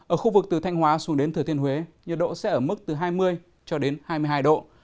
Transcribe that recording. ở khu vực từ thanh hóa xuống đến thừa thiên huế nhiệt độ sẽ ở mức từ hai mươi cho đến hai mươi hai độ